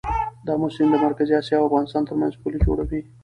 د امو سیند د مرکزي اسیا او افغانستان ترمنځ پوله جوړوي.